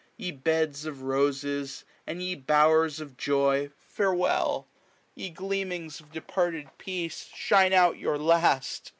Ye beds of roses, and ye bowers of joy. Farewell ! Ye gleamings of departed peace, Shine out your last